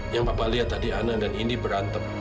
yang bapak lihat tadi ana dan indi berantem